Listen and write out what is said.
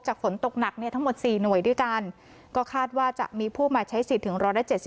ฝนตกหนักเนี่ยทั้งหมด๔หน่วยด้วยกันก็คาดว่าจะมีผู้มาใช้สิทธิ์ถึง๑๗๐